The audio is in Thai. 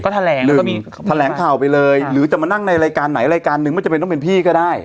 แถลงหรือก็มีแถลงข่าวไปเลยหรือจะมานั่งในรายการไหนรายการนึงไม่จำเป็นต้องเป็นพี่ก็ได้